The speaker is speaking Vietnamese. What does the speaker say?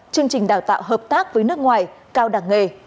chương trình đào tạo hợp tác với nước ngoài cao đẳng nghề